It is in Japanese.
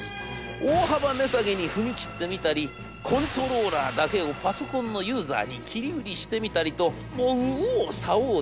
大幅値下げに踏み切ってみたりコントローラーだけをパソコンのユーザーに切り売りしてみたりともう右往左往で。